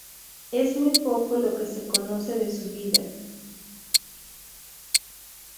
Es muy poco lo que se conoce de su vida.